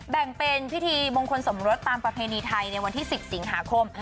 แบ่งเป็นพิธีมงคลสมรสตามประเพณีไทยในวันที่๑๐สิงหาคม